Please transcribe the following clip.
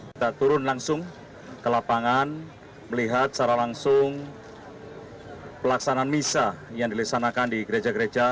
kita turun langsung ke lapangan melihat secara langsung pelaksanaan misa yang dilaksanakan di gereja gereja